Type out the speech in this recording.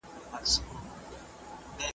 د سړکونو ودانول هم د رفاه برخه وبلل سوه.